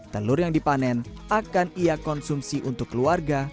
telur yang dipanen akan ia konsumsi untuk keluarga